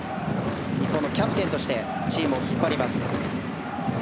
日本のキャプテンとしてチームを引っ張ります。